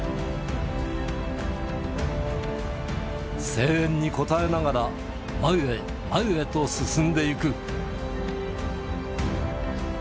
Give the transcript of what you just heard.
声援に応えながら、前へ、前へと進んでいく。